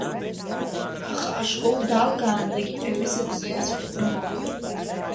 Аха ашкол далгаанӡагь, аҩыза бзиаҵәҟьа длымамызт.